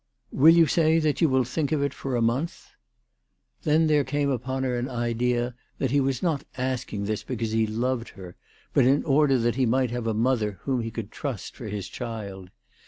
" Will you say that you will think of it for a month ?" Then there came upon her an idea that he was not asking this because he loved her, but in order that he might have a mother whom he could trust for his child.